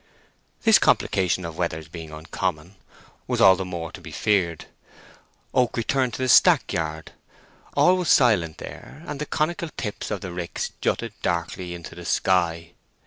This complication of weathers being uncommon, was all the more to be feared. Oak returned to the stack yard. All was silent here, and the conical tips of the ricks jutted darkly into the sky.